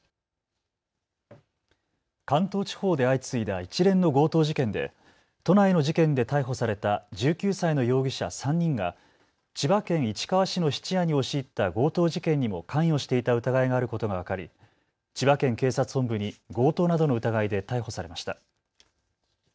関東地方で相次いだ一連の強盗事件で都内の事件で逮捕された１９歳の容疑者３人が千葉県市川市の質屋に押し入った強盗事件にも関与していた疑いがあることが分かり千葉県警察本部に強盗などの疑いで逮捕されました。